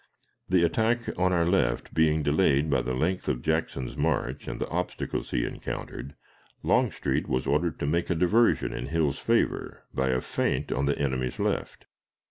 The attack on our left being delayed by the length of Jackson's march and the obstacles he encountered, Longstreet was ordered to make a diversion in Hill's favor by a feint on the enemy's left.